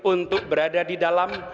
untuk berada di dalam